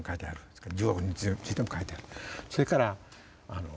それから歴史についても書いてある。